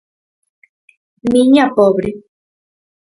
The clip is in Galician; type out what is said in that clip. Miña pobre.